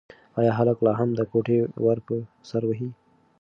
ایا هلک لا هم د کوټې ور په سر وهي؟